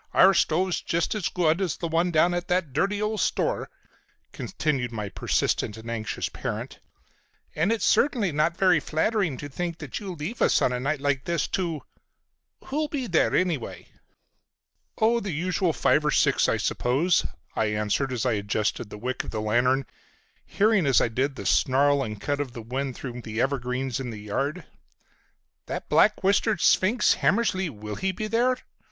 Our stove's just as good as the one down at that dirty old store," continued my persistent and anxious parent, "and it's certainly not very flattering to think that you leave us on a night like this to—Who'll be there, anyway?" "Oh, the usual five or six I suppose," I answered as I adjusted the wick of my lantern, hearing as I did the snarl and cut of the wind through the evergreens in the yard. "That black whiskered sphinx, Hammersly, will he be there?"